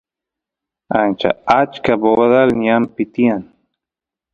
ancha achka bobadal ñanpi tiyan